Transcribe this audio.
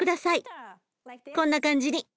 こんな感じに。